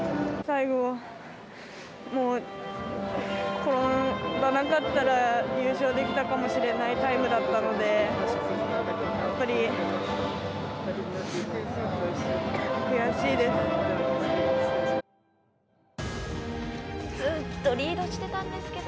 最後、転ばなかったら優勝できたかもしれないタイムだったのでやっぱり悔しいです。